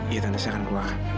iya tante saya akan keluar